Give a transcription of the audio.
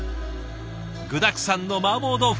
具だくさんのマーボー豆腐